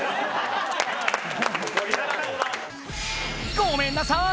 ごめんなさい！